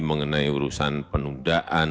mengenai urusan penundaan